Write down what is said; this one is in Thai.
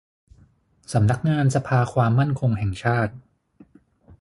สำนักงานสภาความมั่นคงแห่งชาติ